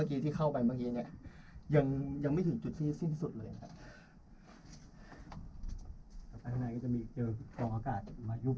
อ่าอ่าอ่าอ่าอ่าอ่าอ่าอ่าอ่าอ่าอ่าอ่าอ่าอ่าอ่าอ่า